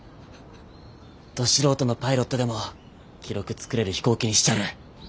ど素人のパイロットでも記録作れる飛行機にしちゃる。